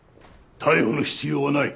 逮捕の必要はない。